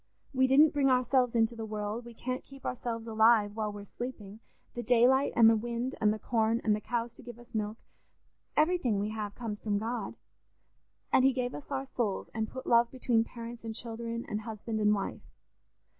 We didn't bring ourselves into the world, we can't keep ourselves alive while we're sleeping; the daylight, and the wind, and the corn, and the cows to give us milk—everything we have comes from God. And he gave us our souls and put love between parents and children, and husband and wife.